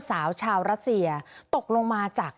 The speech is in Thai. สาวชาวรัสเซียตกลงมาจาก